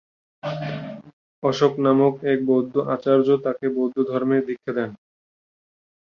অশোক নামক এক বৌদ্ধ আচার্য তাকে বৌদ্ধধর্মে দীক্ষা দেন।